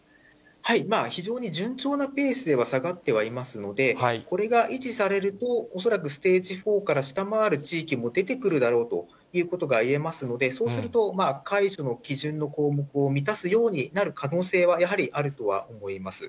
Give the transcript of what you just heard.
非常に順調なペースでは下がってはいますので、これが維持されると、恐らくステージ４から下回る地域も出てくるだろうということがいえますので、そうすると、解除の基準の項目を満たすようになる可能性はやはりあるとは思います。